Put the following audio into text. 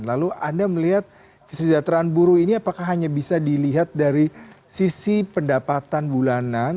lalu anda melihat kesejahteraan buruh ini apakah hanya bisa dilihat dari sisi pendapatan bulanan